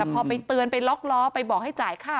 พอไปเตือนไปล็อกล้อไปบอกให้จ่ายค่า